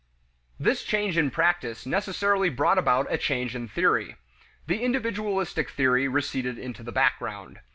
This change in practice necessarily brought about a change in theory. The individualistic theory receded into the background.